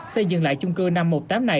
xây dựng lại chung cư năm trăm một mươi tám này